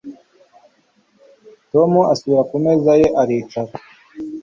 Tom asubira ku meza ye aricara